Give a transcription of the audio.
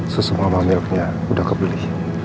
susu mama milnya sudah dibeli